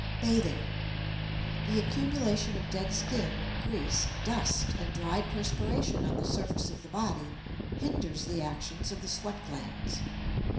BATHING. The accumulation of dead skin, grease, dust, and dried perspiration on the surface of the body hinders the actions of the sweat glands.